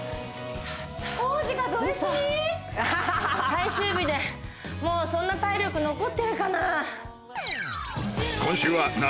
最終日でもうそんな体力残ってるかな？